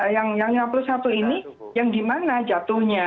yang lima puluh satu ini yang dimana jatuhnya